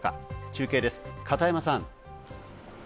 中継です、片山さん。